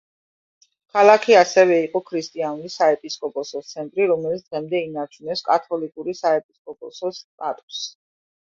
ქალაქი ასევე იყო ქრისტიანული საეპისკოპოსოს ცენტრი, რომელიც დღემდე ინარჩუნებს კათოლიკური საეპისკოპოსოს სტატუსს.